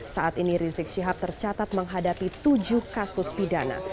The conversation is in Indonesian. saat ini rizik syihab tercatat menghadapi tujuh kasus pidana